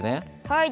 はい！